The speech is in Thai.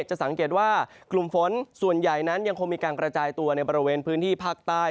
จะสังเกตว่ากลุ่มฝนส่วนใหญ่นั้นยังคงมีการกระจายตัวในบริเวณพื้นที่ภาคใต้